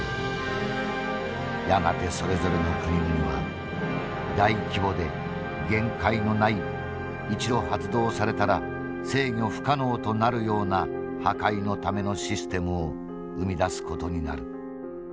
やがてそれぞれの国々は大規模で限界のない一度発動されたら制御不可能となるような破壊のためのシステムを生み出す事になる。